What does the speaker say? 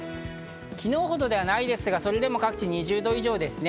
昨日ほどではないですが、それでも各地２０度以上ですね。